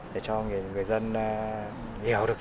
để cho người dân hiểu được